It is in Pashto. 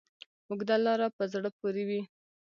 اوږده لاره په زړه پورې وي.